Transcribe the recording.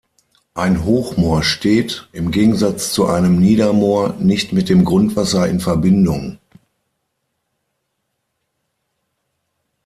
Ein Hochmoor steht, im Gegensatz zu einem Niedermoor nicht mit dem Grundwasser in Verbindung.